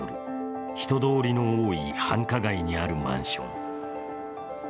人通りの多い繁華街にあるマンション。